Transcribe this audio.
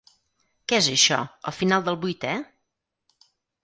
Què és això, el final del vuitè?